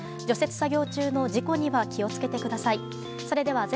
除雪作業中の事故には気を付けてください。